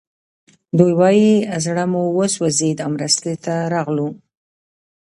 دوی وايي زړه مو وسوځېد او مرستې ته راغلو